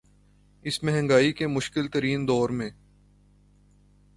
اس مہنگائی کے مشکل ترین دور میں